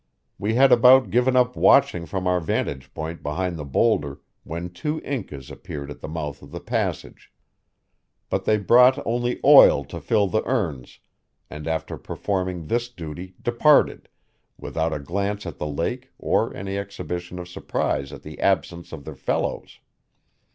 We had about given up watching from our vantage point behind the boulder when two Incas appeared at the mouth of the passage. But they brought only oil to fill the urns, and after performing this duty departed, without a glance at the lake or any exhibition of surprise at the absence of their fellows.